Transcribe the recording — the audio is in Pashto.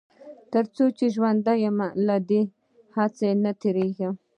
تر څو چې ژوندی يم له دې هڅې نه تېرېږم.